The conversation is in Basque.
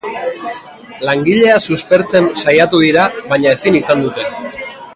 Langilea suspertzen saiatu dira baina ezin izan dute.